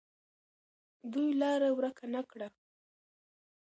دوی لاره ورکه نه کړه.